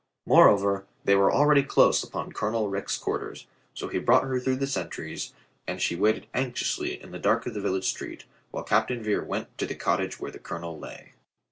More over, they were already close upon Colonel Rich's quarters. So he brought her through the sentries and she waited anxiously in the dark of the vil lage street while Captain Vere went to the cottage where the colonel lay.